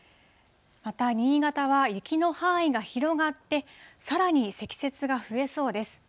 また新潟は雪の範囲が広がって、さらに積雪が増えそうです。